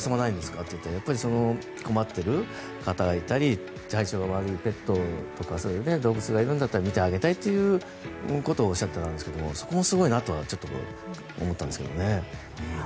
って言ったらやっぱり困っている方がいたり体調が悪いペットとかそういう動物がいるんだったら診てあげたいということをおっしゃっていたんですけどそこもすごいなと僕は思ったんですけどね。